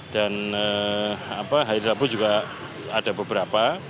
dan hari rabu juga ada beberapa